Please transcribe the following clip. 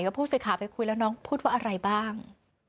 มาพูดสิค่ะไปคุยแล้วน้องพูดว่าอะไรบ้าง